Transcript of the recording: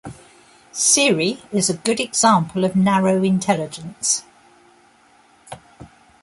Siri is a good example of narrow intelligence.